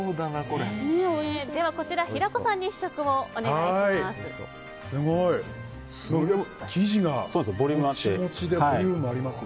こちら平子さんに試食をお願いします。